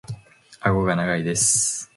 顎が長いです。